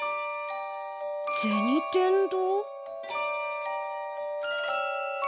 銭天堂？